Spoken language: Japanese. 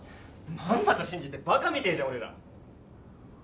まんまと信じてバカみてえじゃん俺ら。